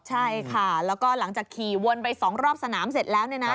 ใช่ค่ะแล้วก็หลังจากขี่วนไป๒รอบสนามเสร็จแล้วเนี่ยนะ